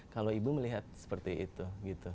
kalau ibu melihat seperti itu